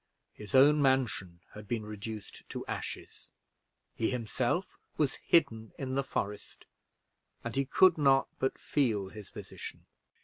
His own mansion had been reduced to ashes he himself was hidden in the forest; and he could but not feel his position.